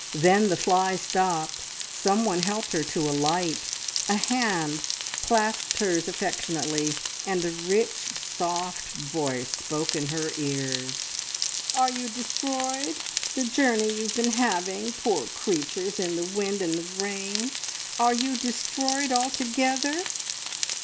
Then the fly stopped, someone helped her to alight, a hand clasped hers affectionately, and a rich, soft voice spoke in her ears. "Are you destroyed? The journey you've been having, poor creatures, in the wind and the rain! Are you destroyed altogether?"